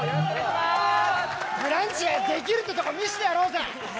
「ブランチ」ができるってとこ見せてやろうぜ。